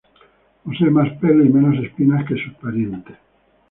Posee más pelo y menos espinas que sus parientes.